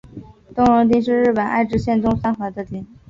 东荣町是日本爱知县东三河的町。